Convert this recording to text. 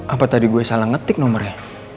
apa tadi gue salah ngetik nomornya